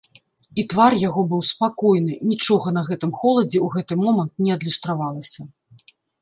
І твар яго быў спакойны, нічога на гэтым холадзе ў гэты момант не адлюстравалася.